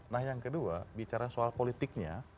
nah yang kedua bicara soal politiknya